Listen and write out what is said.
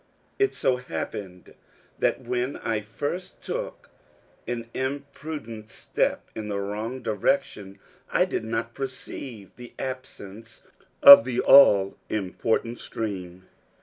It so happened that when I first took an imprudent step in the wrong direction, I did not perceive the absence of the all important stream.